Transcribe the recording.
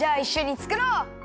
つくろう！